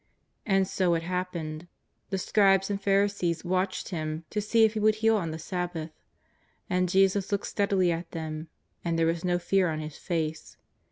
And so it happened. The Scribes and Pharisees watched Him to see if He w^ould heal on the Sabbath. And Jesus looked steadily at them, and there was no fear on His face.